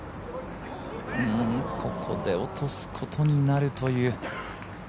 ここで落とすことになるという。